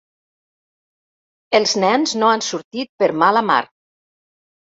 Els nens no han sortit per mala mar.